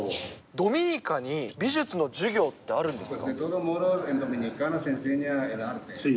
ドミニカに美術の授業ってあるんですか。